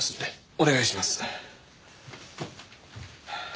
お願いします。